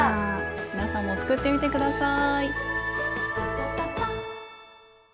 皆さんも作ってみて下さい。